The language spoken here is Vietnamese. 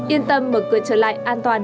yên tâm mở cửa trở lại an toàn